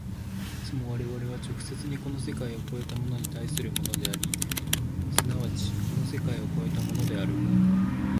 いつも我々は直接にこの世界を越えたものに対するものであり、即ちこの世界を越えたものである。